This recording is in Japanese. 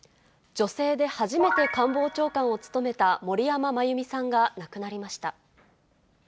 女性で初めて官房長官を務めた森山真弓さんが亡くなりました。